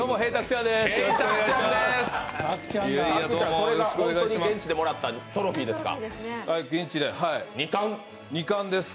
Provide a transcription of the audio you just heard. それが現地でもらったトロフィーですか？